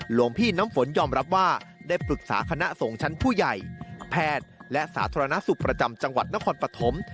หลวงพี่น้ำฝนยอมรับว่าได้ปรึกษาคณะสงฆ์ชั้นผู้ใหญ่แพทย์และสาธารณสุขประจำจังหวัดนครปฐม